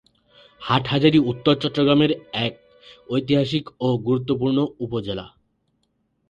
হাটহাজারী উত্তর চট্টগ্রামের এক ঐতিহাসিক ও গুরুত্বপূর্ণ উপজেলা।